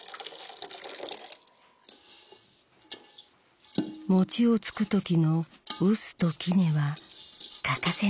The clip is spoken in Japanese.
餅をつく時の臼と杵は欠かせないアイテム。